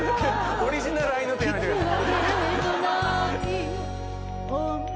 オリジナル合いの手やめてください